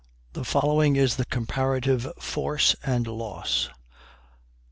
The following is the COMPARATIVE FORCE AND LOSS.